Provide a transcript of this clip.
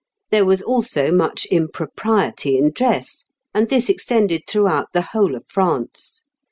There was also much impropriety in dress, and this extended throughout the whole of France.